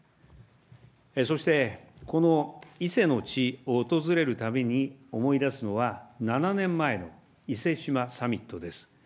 そして、この伊勢の地を訪れるたびに思い出すのは、７年前の伊勢志摩サミットです。